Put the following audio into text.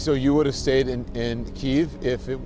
bahwa dia tidak akan dipecat